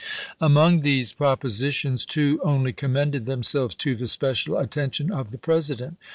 Among these propositions two only commended themselves to the special attention of the President.